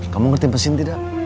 kamu ngerti mesin tidak